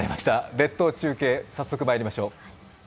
列島中継、早速まいりましょう。